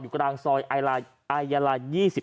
อยู่กลางซอยอายารา๒๕